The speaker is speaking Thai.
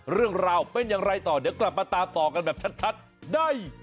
เรื่องราวเป็นอย่างไรต่อเดี๋ยวกลับมาตามต่อกันแบบชัดได้